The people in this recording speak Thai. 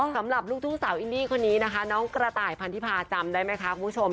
สำหรับลูกทุ่งสาวอินดี้คนนี้นะคะน้องกระต่ายพันธิพาจำได้ไหมคะคุณผู้ชม